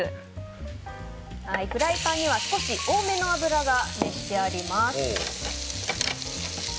フライパンには少し多めの油が熱してあります。